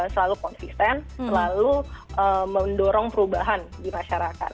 selalu konsisten selalu mendorong perubahan di masyarakat